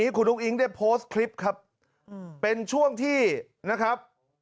คุณอุ้งอิ๊งได้โพสต์คลิปครับเป็นช่วงที่นะครับ